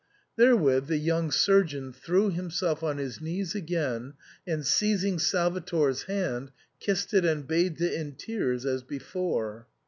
Therewith the young surgeon threw himself on his knees again, and, seizing Salvator's hand, kissed it and bathed it in tears as before.